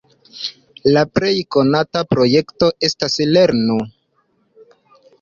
La plej konata projekto estas "lernu!".